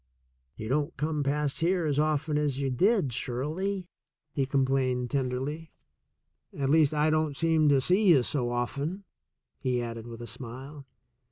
"You don't come past here as often as you did, Shirley," he complained tenderly. ''At least, I don't seem to see you so often," he added with a smile.